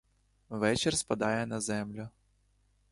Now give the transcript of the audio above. Вечір спадає на землю.